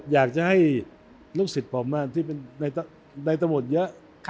อยากจะให้ลูกศิษย์ผมที่เป็นในตำรวจเยอะ